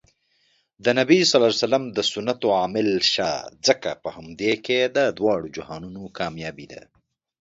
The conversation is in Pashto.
د نبي ص د سنتو عاملشه ځکه په همدې کې د دواړو جهانونو کامیابي